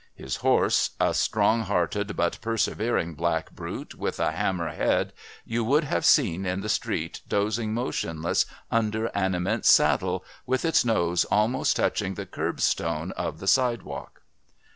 His horse a strong hearted but persevering black brute, with a hammer head you would have seen in the street dozing motionless under an immense saddle, with its nose almost touching the curbstone of the side walk!"